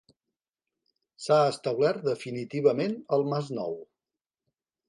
S'ha establert definitivament al Masnou.